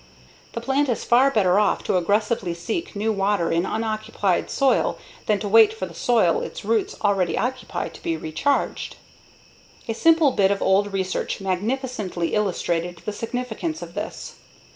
The plant is far better off to aggressively seek new water in unoccupied soil than to wait for the soil its roots already occupy to be recharged. A simple bit of old research magnificently illustrated the significance of this.